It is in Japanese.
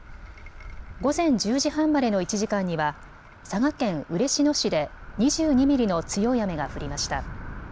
午前１０時半までの１時間には佐賀県嬉野市で２２ミリの強い雨が降りました。